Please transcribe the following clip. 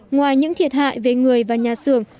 ngoài những thiệt hại về người và nhà xưởng